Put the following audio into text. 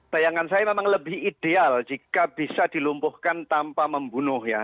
bayangan saya memang lebih ideal jika bisa dilumpuhkan tanpa membunuh ya